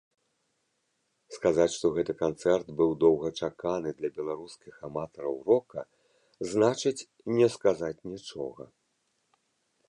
Сказаць, што гэты канцэрт быў доўгачаканы для беларускіх аматараў рока, значыць не сказаць нічога.